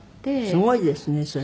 すごいですねそれ。